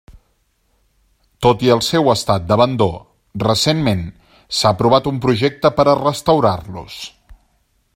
Tot i el seu estat d'abandó, recentment s'ha aprovat un projecte per a restaurar-los.